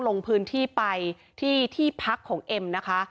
ลงพื้นที่ไปที่ที่พักของเอ็มนะคะ